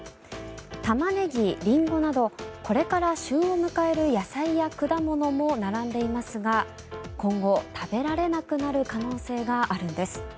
タマネギ、リンゴなどこれから旬を迎える野菜や果物も並んでいますが今後、食べられなくなる可能性があるんです。